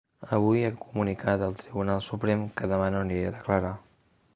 Avui he comunicat al Tribunal Suprem que demà no aniré a declarar.